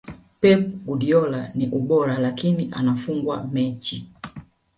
pep guardiola niUbora lakini anafungwa mechi